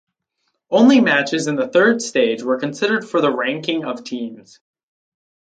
Only matches in the third stage were considered for the ranking of teams.